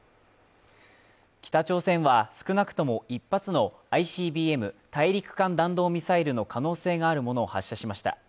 北朝鮮は、少なくとも１発のＩＣＢＭ＝大陸間弾道ミサイルの可能性があるものを発射しました。